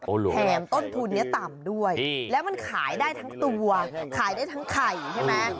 แถมต้นทุนนี้ต่ำด้วยแล้วมันขายได้ทั้งตัวขายได้ทั้งไข่ใช่ไหม